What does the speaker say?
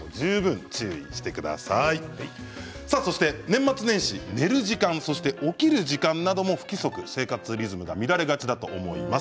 年末年始、寝る時間起きる時間なども、不規則生活リズムが乱れがちだと思います。